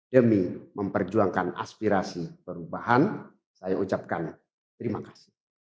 demi memperjuangkan aspirasi perubahan saya ucapkan terima kasih